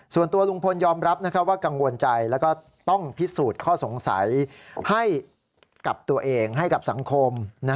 ส่วนตัวลุงพลยอมรับว่ากังวลใจแล้วก็ต้องพิสูจน์ข้อสงสัยให้กับตัวเองให้กับสังคม